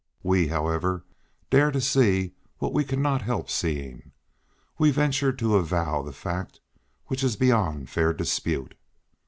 We, however, dare to see what we cannot help seeing, we venture to avow the fact which is beyond fair dispute.